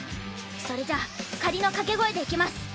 それじゃ仮の掛け声でいきます。